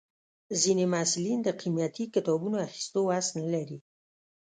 ځینې محصلین د قیمتي کتابونو اخیستو وس نه لري.